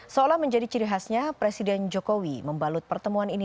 seolah menjadi ciri khasnya presiden jokowi membalut pertemuan ini